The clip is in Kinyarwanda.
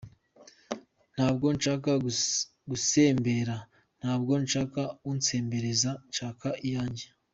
Ntabwo nshaka gusembera, ntabwo nshaka unsembereza, nshaka iyanjye.